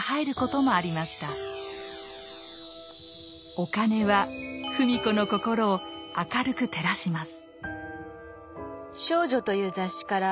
お金は芙美子の心を明るく照らします。